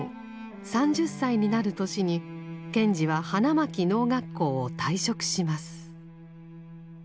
３０歳になる年に賢治は花巻農学校を退職します。